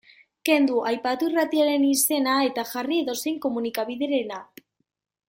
Kendu aipatu irratiaren izena eta jarri edozein komunikabiderena.